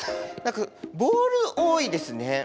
何かボール多いですね。